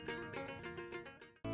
jembatan kahayan berada di jepang dan jepang